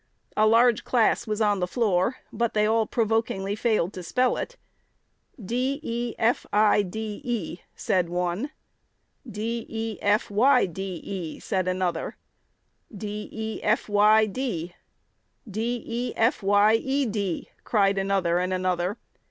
A large class was on the floor, but they all provokingly failed to spell it. D e f i d e, said one; d e f y d e, said another; d e f y d, d e f y e d, cried another and another.